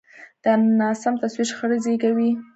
دا ناسم تصور شخړې زېږوي.